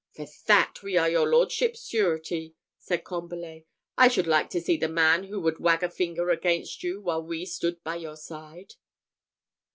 "For that, we are your lordship's sureties," said Combalet. "I should like to see the man who would wag a finger against you, while we stood by your side."